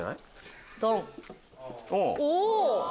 お！